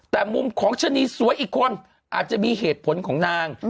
แต่มุมของชะนีสวยอีกคนอาจจะมีเหตุผลของนาง